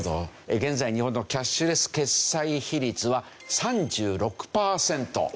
現在日本のキャッシュレス決済比率は３６パーセント。